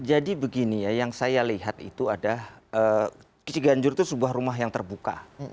jadi begini ya yang saya lihat itu ada kiciganjur itu sebuah rumah yang terbuka